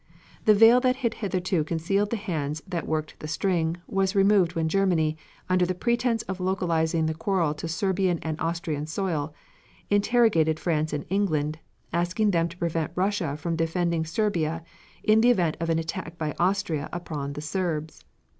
The veil that had hitherto concealed the hands that worked the string, was removed when Germany, under the pretense of localizing the quarrel to Serbian and Austrian soil, interrogated France and England, asking them to prevent Russia from defending Serbia in the event of an attack by Austria upon the Serbs.